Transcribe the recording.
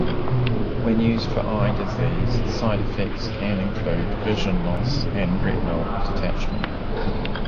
When used for eye disease side effects can include vision loss and retinal detachment.